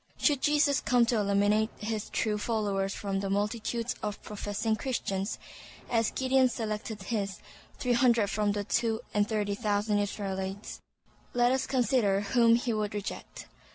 Should Jesus come to eliminate his true followers from the multitudes of professing Christians, as Gideon selected his, three hundred from the two and thirty thousand Israelites, let us consider whom he would reject.